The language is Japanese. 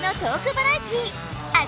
バラエティ